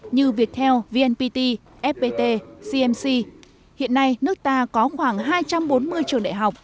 như viettel vnpt fpt cmc hiện nay nước ta có khoảng hai trăm bốn mươi trường đại học